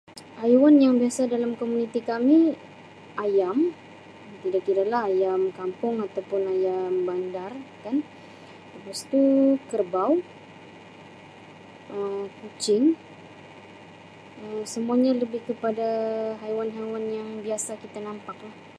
Haiwan yang biasa dalam komuniti kami ayam, tidak kiralah ayam kampung atau pun ayam bandar kan, lepas tu kerbau, Um kucing Um semua lebih kepada haiwan-haiwan yang biasa kita nampak.